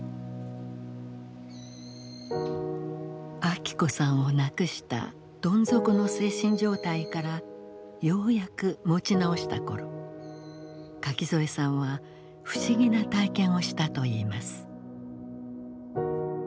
昭子さんを亡くしたどん底の精神状態からようやく持ち直した頃垣添さんは不思議な体験をしたといいます。